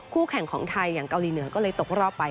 แข่งของไทยอย่างเกาหลีเหนือก็เลยตกรอบไป